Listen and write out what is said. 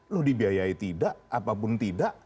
lu dibiayai tidak apapun tidak